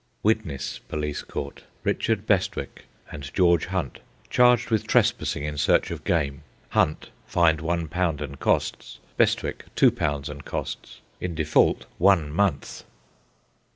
Widnes Police Court. Richard Bestwick and George Hunt, charged with trespassing in search of game. Hunt fined £1 and costs, Bestwick £2 and costs; in default, one month.